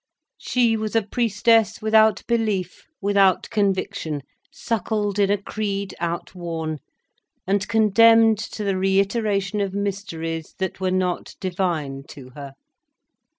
She was a priestess without belief, without conviction, suckled in a creed outworn, and condemned to the reiteration of mysteries that were not divine to her.